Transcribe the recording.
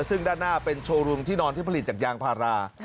ซึ่งด้านหน้าเป็นโชว์รูมที่นอนที่ผลิตจากยางพารา